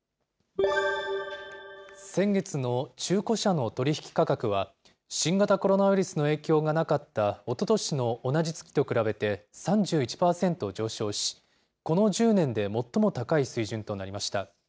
先月の中古車の取り引き価格は、新型コロナウイルスの影響がなかった、おととしの同じ月と比べて３１％上昇し、この１０年で最も高い水準となりました。